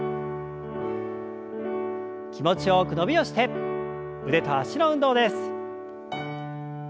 気持ちよく伸びをして腕と脚の運動です。